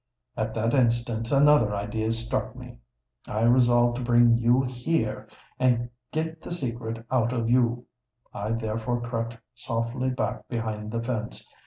At that instant another idea struck me: I resolved to bring you here, and get the secret out of you. I therefore crept softly back behind the fence.